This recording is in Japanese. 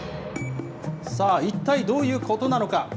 さあ、一体どういうことなのか。